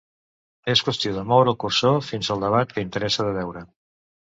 És qüestió de moure el cursor fins al debat que interessa de veure.